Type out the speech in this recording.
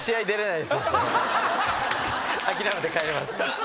諦めて帰ります。